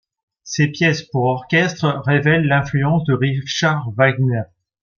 Ses pièces pour orchestre révèlent l'influence de Richard Wagner.